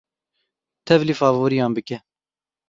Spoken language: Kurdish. Tevlî favoriyan bike.